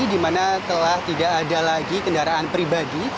dimana telah tidak ada lagi kendaraan pribadi